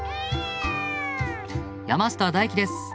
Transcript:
山下大輝です。